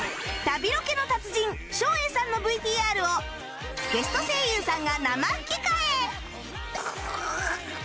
旅ロケの達人照英さんの ＶＴＲ をゲスト声優さんが生吹き替え！